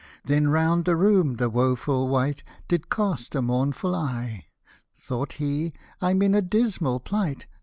Then round the room the woful wight Did cast a mournful eye ; Thought he, " I'm in a dismal plight